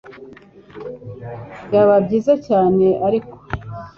byaba byiza cyane ariko